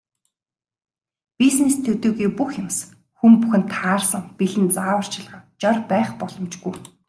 Бизнес төдийгүй бүх юмс, хүн бүхэнд таарсан бэлэн зааварчилгаа, жор байх боломжгүй.